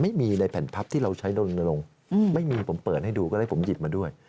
ไม่มีในแผ่นพับที่เราใช้รณรงค์ไม่มีผมเปิดให้ดูก็ได้ผมหยิบมาด้วย